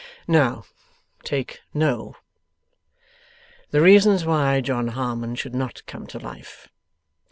'Now, take no. The reasons why John Harmon should not come to life.